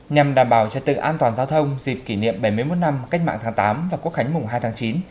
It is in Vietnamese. nhằm đảm bảo trật tự an toàn giao thông dịp kỷ niệm bảy mươi một năm cách mạng tháng tám và quốc khánh mùng hai tháng chín